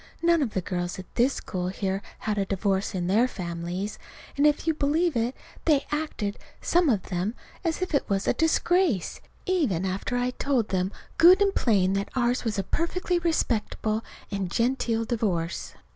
None of the girls in this school here had a divorce in their families; and, if you'll believe it, they acted some of them as if it was a disgrace, even after I told them good and plain that ours was a perfectly respectable and genteel divorce.